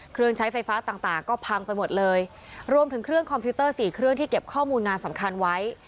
เครื่องใช้ไฟฟ้าต่างต่างก็พังไปหมดเลยรวมถึงเครื่องคอมพิวเตอร์สี่เครื่องที่เก็บข้อมูลงานสำคัญไว้